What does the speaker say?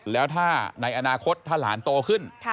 แล้วถ้าในอนาคตถ้าหลานโตขึ้น